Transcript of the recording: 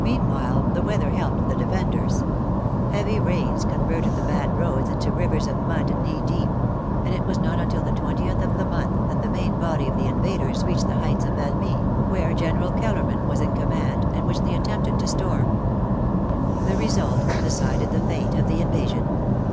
Meanwhile, the weather helped the defenders. Heavy rains converted the bad roads into rivers of mud knee deep, and it was not until the 20th of the month that the main body of the invaders reached the heights of Valmy, where General Kellerman was in command, and which they attempted to storm. The re sult decided the fate of the invasion.